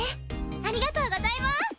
ありがとうございます！